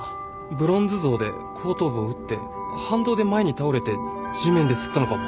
ブロンズ像で後頭部を打って反動で前に倒れて地面で擦ったのかも。